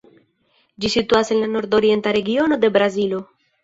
Ĝi situas en la nordorienta regiono de Brazilo.